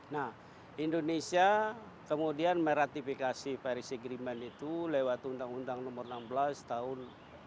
nah indonesia kemudian meratifikasi paris agreement itu lewat undang undang nomor enam belas tahun dua ribu dua